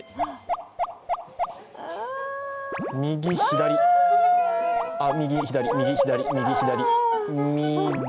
右、左、あっ、右、左、右、左。